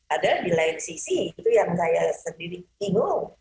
ada di lain sisi itu yang saya sendiri bingung